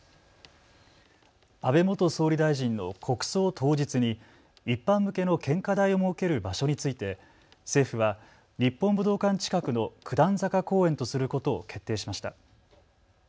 安倍元総理大臣の国葬当日に一般向けの献花台を設ける場所について政府は日本武道館近くの九段坂公園とすることを決定しました。